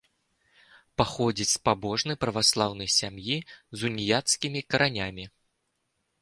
Паходзіць з пабожнай праваслаўнай сям'і з уніяцкімі каранямі.